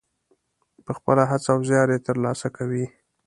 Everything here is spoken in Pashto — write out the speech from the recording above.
په خپله هڅه او زیار یې ترلاسه کوي.